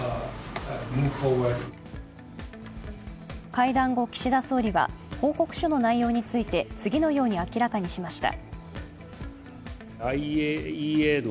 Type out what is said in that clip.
会談後、岸田総理は報告書の内容について次のように明らかにしました。